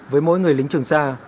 với mỗi người lính trường xa